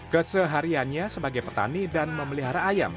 kesehariannya sebagai petani dan memelihara ayam